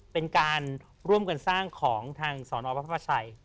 เป็นการร่วมกันสร้างของทางสอนอพระประชัย